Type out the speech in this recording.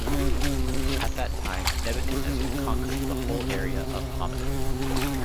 At that time Nebuchadnezzar conquered the whole area of Hamath.